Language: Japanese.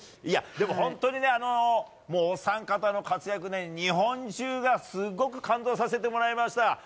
でも本当にね、お三方の活躍は日本中がすごく感動させてもらいました。